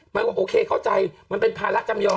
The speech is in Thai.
มันก็โอเคเข้าใจมันเป็นภาระจำยอม